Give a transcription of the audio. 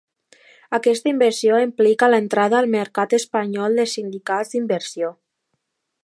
Aquesta inversió implica l'entrada al mercat espanyol dels sindicats d'inversió.